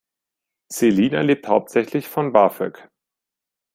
Selina lebt hauptsächlich von BAföG.